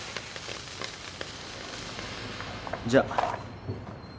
じゃあ。